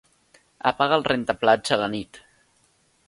Apaga el rentaplats a la nit.